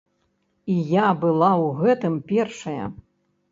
І я была ў гэтым першая.